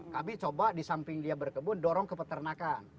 kami coba di samping dia berkebun dorong ke peternakan